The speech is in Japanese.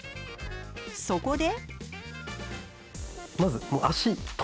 そこで。